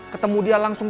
ketemu dia langsung